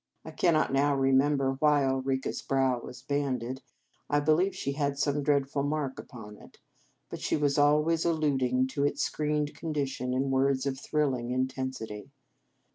I cannot now remember why Ulrica s brow was banded, I believe she had some dreadful mark upon it, but she was always allud ing to its screened condition in words of thrilling intensity.